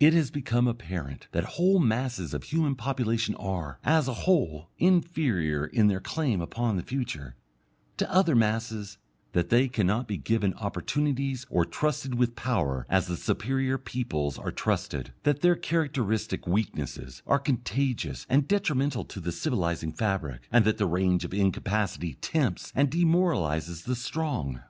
It has become apparent that whole masses of human population are, as a whole, inferior in their claim upon the future, to other masses, that they cannot be given opportunities or trusted with power as the superior peoples are trusted, that their characteristic weaknesses are contagious and detrimental in the civilizing fabric, and that their range of incapacity tempts and demoralizes the strong.